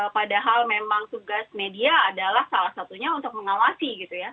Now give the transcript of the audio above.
padahal memang tugas media adalah salah satunya untuk mengawasi